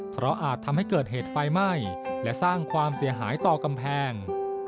เพราะอาจทำให้เกิดเหตุไฟไหม้และสร้างความเสียหายต่อกำแพง